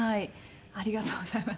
ありがとうございます。